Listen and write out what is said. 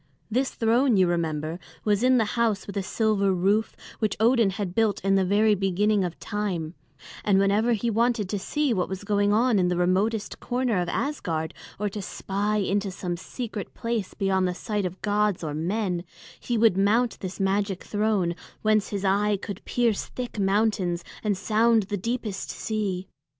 This throne, you remember, was in the house with a silver roof which Odin had built in the very beginning of time; and whenever he wanted to see what was going on in the remotest corner of Asgard, or to spy into some secret place beyond the sight of gods or men, he would mount this magic throne, whence his eye could pierce thick mountains and sound the deepest sea.